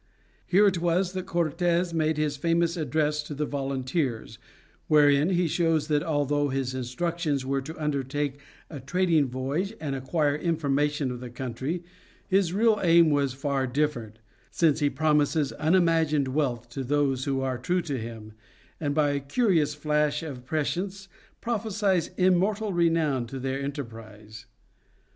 Here it was that Cortes made his famous address to the volunteers, wherein he shows that although his instructions were to undertake a trading voyage and acquire information of the country, his real aim was far different, since he promises unimagined wealth to those who are true to him, and by a curious flash of prescience prophesies immortal renown to their enterprise.